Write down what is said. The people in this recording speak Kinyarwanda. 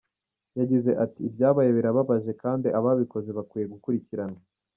Yagize ati ”Ibyabaye birababaje kandi ababikoze bakwiye gukurikiranwa“.